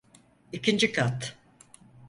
İkinci kat.